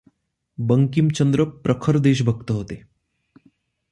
बंकिमचंद्र प्रखर देशभक्त होते.